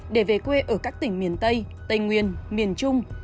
để về quê ở các tỉnh miền tây tây nguyên miền trung